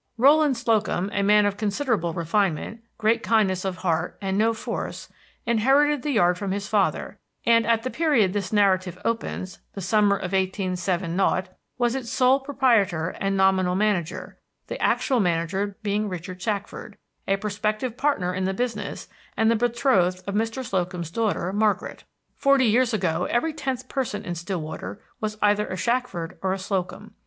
Rowland Slocum, a man of considerable refinement, great kindness of heart, and no force, inherited the yard from his father, and at the period this narrative opens (the summer of 187 ) was its sole proprietor and nominal manager, the actual manager being Richard Shackford, a prospective partner in the business and the betrothed of Mr. Slocum's daughter Margaret. Forty years ago every tenth person in Stillwater was either a Shackford or a Slocum.